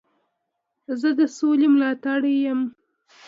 زه د سولي ملاتړی یم.